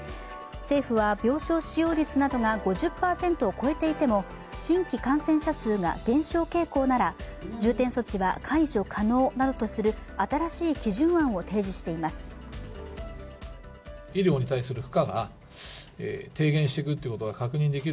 政府は病床使用率などが５０％を超えていても新規感染者数が減少傾向なら重点措置は解除可能などとする新しい基準案を提示しています。